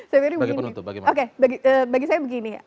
saya pikir begini bagi saya begini